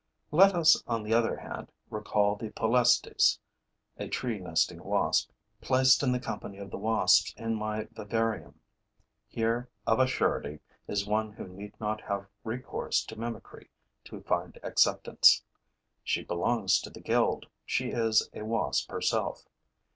Let us, on the other hand, recall the Polistes [a tree nesting wasp] placed in the company of the wasps in my vivarium. Here of a surety is one who need not have recourse to mimicry to find acceptance. She belongs to the guild, she is a wasp herself.